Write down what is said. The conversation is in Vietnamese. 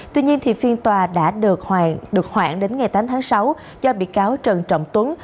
tuy nhiên phiên tòa đã được khoảng đến ngày tám tháng sáu do bị cáo trần trọng tuấn